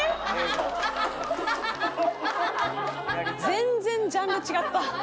全然ジャンル違った。